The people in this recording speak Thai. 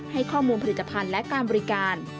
ให้ข้อมูลผลิตภัณฑ์และการบริการ